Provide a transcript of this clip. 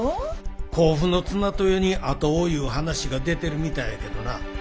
甲府の綱豊に跡をいう話が出てるみたいやけどな。